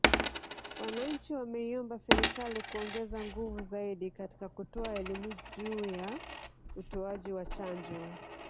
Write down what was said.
Wananchi wameiomba Serikali kuongeza nguvu zaidi katika kutoa elimu juu ya utoaji wa chanjo